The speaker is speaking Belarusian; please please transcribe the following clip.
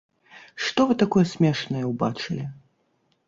Што вы такое смешнае ўбачылі?